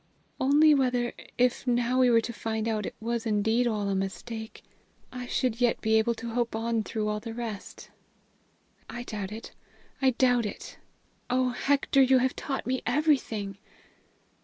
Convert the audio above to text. "Only whether, if now we were to find out it was indeed all a mistake, I should yet be able to hope on through all the rest. I doubt it; I doubt it! Oh, Hector, you have taught me everything!"